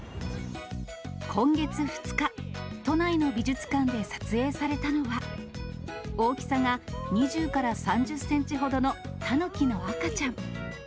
今月２日、都内の美術館で撮影されたのは、大きさが２０から３０センチほどのタヌキの赤ちゃん。